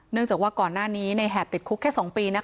เนื่องจากว่าก่อนหน้านี้ในแห่บติดคุกแค่๒ปีนะคะ